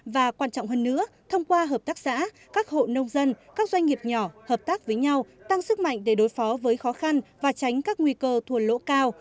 và quan trọng hơn nữa thông qua hợp tác xã các hộ nông dân các doanh nghiệp nhỏ hợp tác với nhau tăng sức mạnh để đối phó với khó khăn và tránh các nguy cơ thua lỗ cao